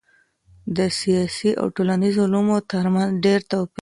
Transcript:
د سیاسي او ټولنیزو علومو ترمنځ ډېر توپیر نسته.